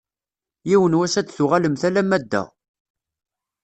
Yiwen n wass ad d-tuɣalemt alamma d da.